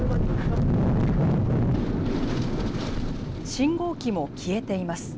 信号機も消えています。